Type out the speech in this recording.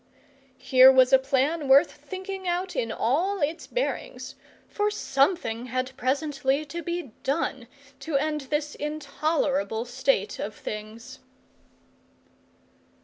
Here was a plan worth thinking out in all its bearings; for something had presently to be done to end this intolerable state of things.